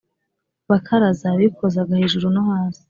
bakaraza bikozaga hejuru no hasi